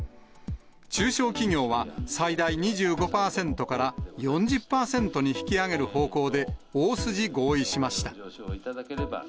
中小企業は最大２５％から４０％に引き上げる方向で大筋合意しました。